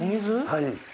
はい。